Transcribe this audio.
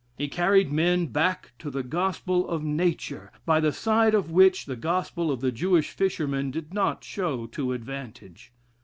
He carried men back to the gospel of nature, by the side of which the gospel of the Jewish fishermen did not show to advantage.